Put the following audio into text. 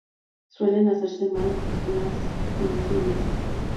Suelen hacerse mal las tinciones.